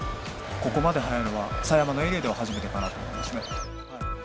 ここまで早いのは、狭山のエリアでは初めてかなと思いますね。